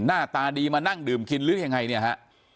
หน้าตาดีมานั่งดื่มกินหรือยังไงเนี่ยฮะ